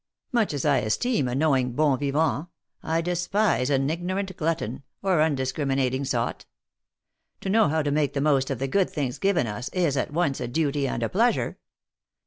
Much as I esteem a knowing l)on vivant, I despise an ignorant glutton, or undiscriminating sot. To know how to make the most of the good things given us, is, at once, a duty and a pleasure.